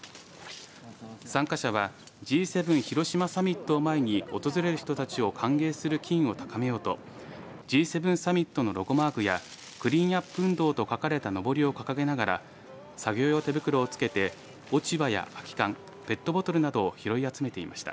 参加者はＧ７広島サミットを前に訪れる人たちを歓迎する機運を高めようとＧ７サミットのロゴマークやクリーンアップ運動と書かれたのぼりを掲げながら作業用手袋を着けて落ち葉や空き缶ペットボトルなどを拾い集めていました。